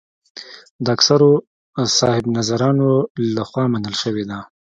د اکثرو صاحب نظرانو له خوا منل شوې ده.